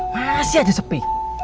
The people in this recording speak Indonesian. masih aja sepi